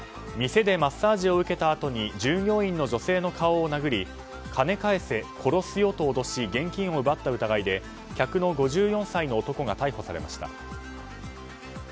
店でマッサージを受けたあとに従業員の女性の顔を殴り金返せ、殺すよと脅し現金を奪った疑いで客の５４歳の男が逮捕されました。